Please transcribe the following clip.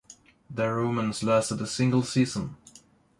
Their romance lasted a single season.